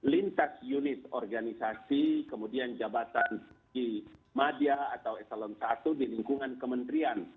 lintas unit organisasi kemudian jabatan di madya atau esalon satu di lingkungan kementerian